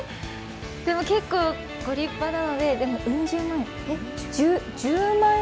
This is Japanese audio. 結構ご立派なのでうん十万円？